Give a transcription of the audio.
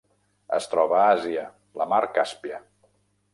Es troba a Àsia: la Mar Càspia.